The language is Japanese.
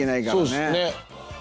そうですね。